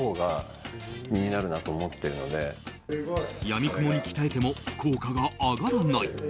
やみくもに鍛えても効果が上がらない。